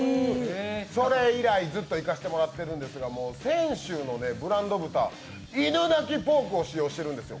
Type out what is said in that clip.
それ以来ずっと行かせてもらっているんですけど泉州のブランド豚、犬鳴ポークを使用しているんですよ。